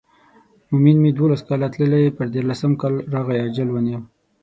مومن مې دولس کاله تللی پر دیارلسم کال راغی اجل ونیو.